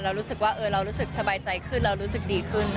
เรารู้สึกว่าเรารู้สึกสบายใจขึ้นเรารู้สึกดีขึ้น